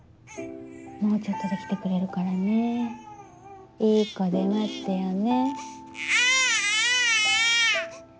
もうちょっとで来てくれるからねいい子で待ってようね。